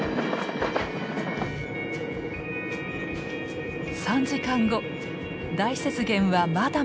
３時間後大雪原はまだまだ続く！